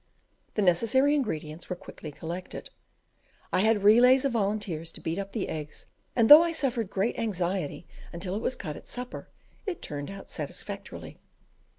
The necessary ingredients were quickly collected. I had relays of volunteers to beat up the eggs, and though I suffered great anxiety until it was cut at supper, it turned out satisfactorily.